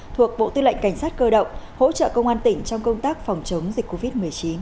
thuộc bộ tư lệnh cảnh sát cơ động hỗ trợ công an tỉnh trong công tác phòng chống dịch covid một mươi chín